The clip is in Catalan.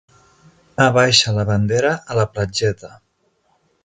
Abaixa la bandera a la platgeta.